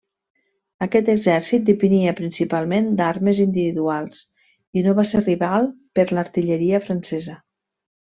Aquest exèrcit depenia principalment d'armes individuals i no va ser rival per l'artilleria francesa.